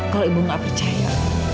kalau ibu nggak percaya